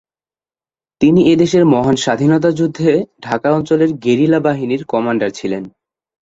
তিনি এদেশের মহান স্বাধীনতা যুদ্ধে ঢাকা অঞ্চলের গেরিলা বাহিনীর কমান্ডার ছিলেন।